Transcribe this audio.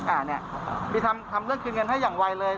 อ่าเนี่ยไปทำเรื่องคืนเงินให้อย่างวัยเลย